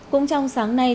cũng trong sáng nay